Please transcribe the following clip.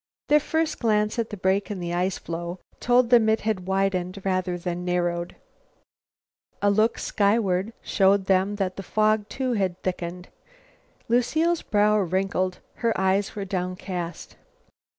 Their first glance at the break in the floe told them it had widened rather than narrowed. A look skyward showed them that the fog too had thickened. Lucile's brow wrinkled; her eyes were downcast.